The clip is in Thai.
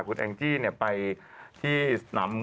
คุณแองจี้ไปที่สนาม